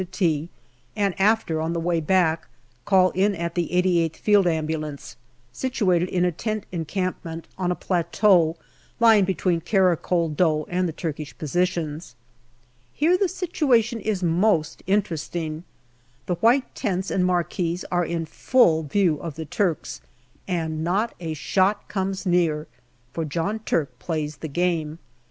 to tea, and after, on the way back, call in at the 88th Field Ambulance, situated in a tent encampment on a plateau lying between Kara Kol Dogh and the Turkish positions. Here the situation is most 254 GALLIPOLI DIARY interesting. The white tents and marquees are in full view of the Turks, and not a shot comes near, for John Turk plays the game.